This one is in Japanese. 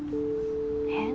えっ？